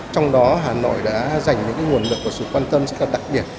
trong đó hà nội đã dành những nguồn lực và sự quan tâm rất là đặc biệt